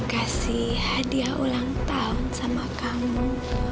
kasih hadiah ulang tahun sama kamu